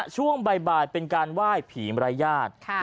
ช่วงบ่ายเป็นการไหว้ผีมรายญาติ